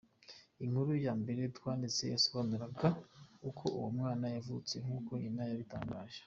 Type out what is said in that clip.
Inkuru ya mbere twanditse yasobanuraga uko uwo mwana yavutse, nk’uko nyina yabitangaje.